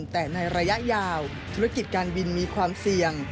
แต่ในระยะยาวธุรกิจการบินมีความเสี่ยง